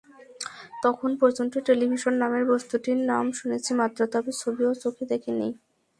তখন পর্যন্ত টেলিভিশন নামের বস্তুটির নাম শুনেছি মাত্র, তার ছবিটিও চোখে দেখিনি।